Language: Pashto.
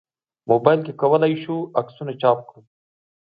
موبایل کې کولای شو عکسونه چاپ کړو.